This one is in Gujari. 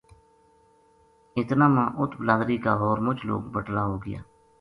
اتنا ما اُت بلادری کا ہور مُچ لوک بَٹلا ہو گیا